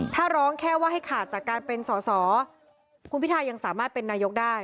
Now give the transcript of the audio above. ถ้าร้องแค่ว่าให้ขาดจากการเป็นสอสอคุณพิทายังสามารถเป็นนายกได้